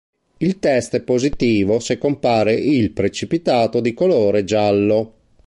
Il test è positivo se compare il precipitato di colore giallo.